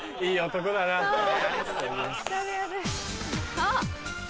あっ！